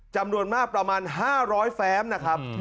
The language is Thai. จำนวนมากประมาณ๕๐๐แฟ้มนะครับ